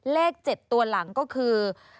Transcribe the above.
เลข๗ตัวหลังก็คือ๘๘๓๙๖๕๘